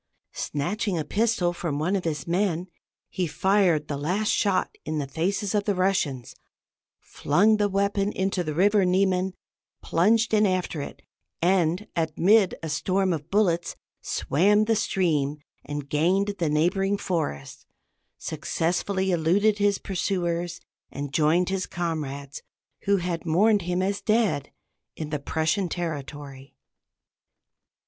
Snatching a pistol from one of his men, he fired the last shot in the faces of the Russians, flung the weapon into the river Niemen, plunged in after it, and amid a storm of bullets swam the stream, and gained the neighboring forest, successfully eluded his pursuers, and joined his comrades, who had mourned him as dead, in the Prussian territory.